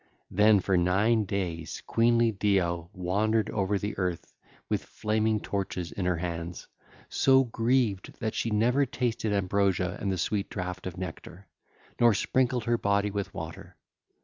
Then for nine days queenly Deo wandered over the earth with flaming torches in her hands, so grieved that she never tasted ambrosia and the sweet draught of nectar, nor sprinkled her body with water.